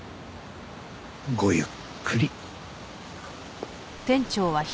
ごゆっくり。